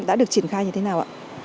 đã được triển khai như thế nào ạ